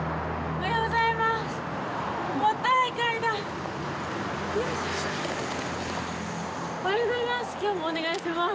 おはようございます